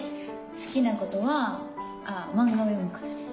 好きなことは漫画を読むことです。